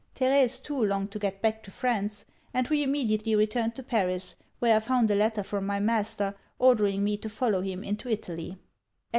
Therése too longed to get back to France; and we immediately returned to Paris, where I found a letter from my master, ordering me to follow him into Italy.